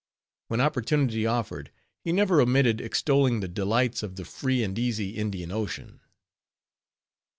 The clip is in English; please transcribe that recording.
When opportunity offered, he never omitted extolling the delights of the free and easy Indian Ocean.